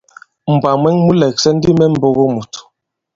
Mbwǎ mwɛ̀ŋ mu lɛ̀ksɛ̀ ndi mɛ mbogo mùt.